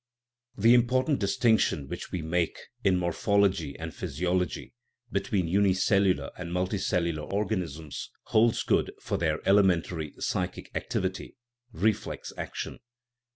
The important distinction which we make, in mor phology and physiology, between unicellular and multi cellular organisms holds good for their elementary psychic activity, reflex action.